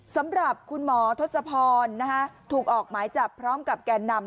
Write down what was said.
สำหรับคุณหมอทศพรถูกออกหมายจับพร้อมกับแก่นำ